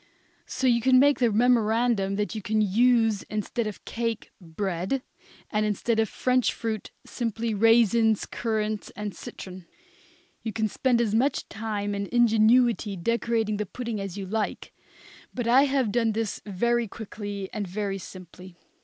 So you can make the memorandum that you can use instead of the cake, bread; and instead of the French fruit, simply raisins, currants and citron. You can spend as much time and ingenuity decorating the pudding as you like, but I have done this very quickly and very simply.